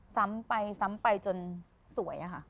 ซ้ำไปซ้ำไปจนสวยค่ะ